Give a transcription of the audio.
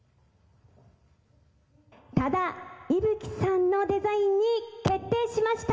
多田伊吹さんのデザインに決定しました。